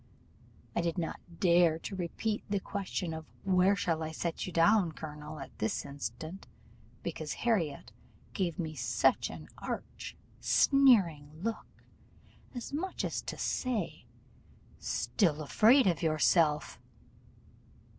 I did not dare to repeat the question of 'where shall I set you down, colonel?' at this instant, because Harriot gave me such an arch, sneering look, as much as to say, 'Still afraid of yourself!